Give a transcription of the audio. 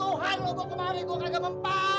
tuhan lo gua kemarin gua ke rangka mempat